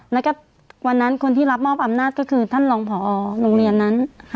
แล้วก็วันนั้นคนที่รับมอบอำนาจก็คือท่านรองพอโรงเรียนนั้น